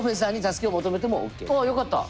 あよかった。